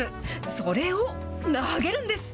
それを投げるんです。